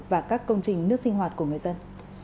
và các công trình nước sinh hoạt của người dân